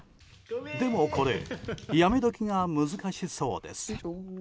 でも、これやめ時が難しそうです。